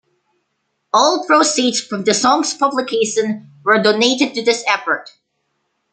All proceeds from the song's publication were donated to this effort.